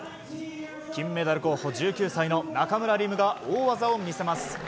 金メダル候補１９歳の中村輪夢が大技を見せます。